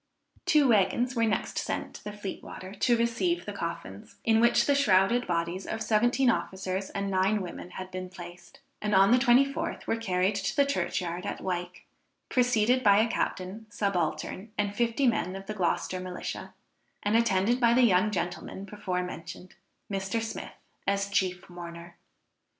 Two waggons were next sent to the Fleet water to receive the coffins, in which the shrouded bodies of seventeen officers and nine women had been placed, and on the 24th were carried to the church yard at Wyke, preceded by a captain, subaltern and fifty men of the Gloucester Militia, and attended by the young gentleman before mentioned, Mr. Smith as chief mourner.